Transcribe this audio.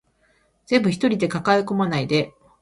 全部一人で抱え込まないで